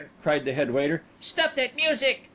cried the head waiter. "Stop that music!"